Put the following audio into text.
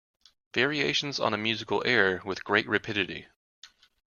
Variations on a musical air With great rapidity.